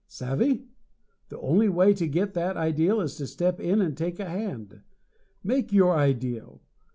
Savvy? The only way to get that ideal is to step in and take a hand. Make your ideal!